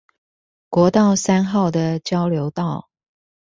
國道三號的交流道